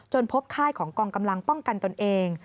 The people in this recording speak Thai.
พบค่ายของกองกำลังป้องกันตนเอง